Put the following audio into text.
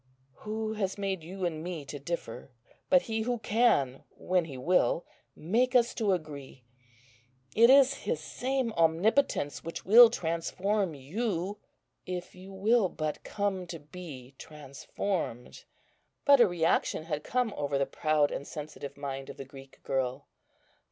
Who has made you and me to differ, but He who can, when He will, make us to agree? It is His same Omnipotence which will transform you, if you will but come to be transformed." But a reaction had come over the proud and sensitive mind of the Greek girl.